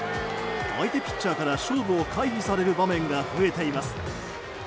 相手ピッチャーから勝負を回避される場面が増えています。